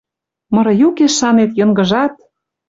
Мыры юкеш, шанет, Йынгыжат